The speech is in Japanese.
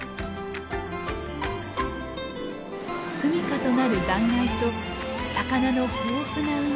すみかとなる断崖と魚の豊富な海。